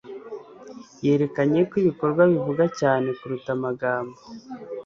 Yerekanye ko ibikorwa bivuga cyane kuruta amagambo